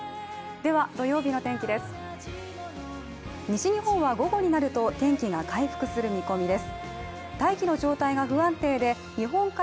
土曜日の天気です。